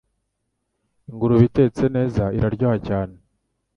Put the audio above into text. Ingurube itetse neza iraryoha cyane